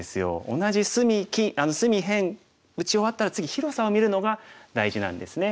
同じ隅辺打ち終わったら次広さを見るのが大事なんですね。